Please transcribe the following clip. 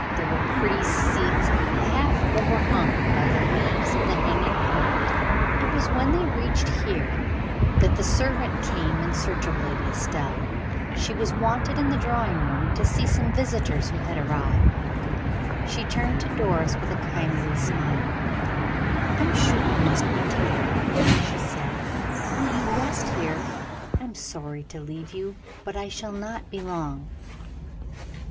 There were pretty seats, half overhung by the leaves of the hanging plant. It was when they reached here that the servant came in search of Lady Estelle; she was wanted in the drawing room, to see some visitors who had arrived. She turned to Doris, with a kindly smile: "I am sure you must be tired," she said; "will you rest here? I am sorry to leave you, but I shall not be long."